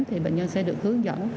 thì bệnh nhân sẽ được hướng dẫn